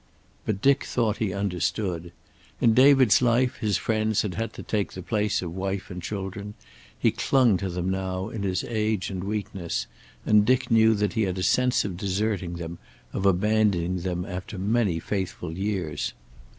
But Dick thought he understood. In David's life his friends had had to take the place of wife and children; he clung to them now, in his age and weakness, and Dick knew that he had a sense of deserting them, of abandoning them after many faithful years.